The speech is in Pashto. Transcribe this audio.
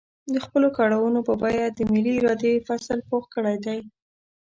د خپلو کړاوونو په بيه د ملي ارادې فصل پوخ کړی دی.